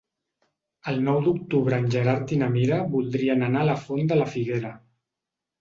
El nou d'octubre en Gerard i na Mira voldrien anar a la Font de la Figuera.